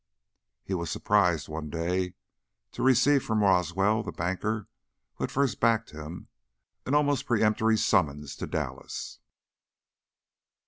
He was surprised one day to receive from Roswell, the banker who had first backed him, an almost peremptory summons to Dallas.